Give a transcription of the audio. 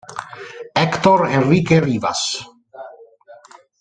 Héctor Enrique Rivas